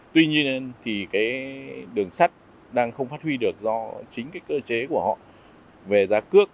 tuy nhiên thì đường sắt đang không phát huy được do chính cơ chế của họ về giá cước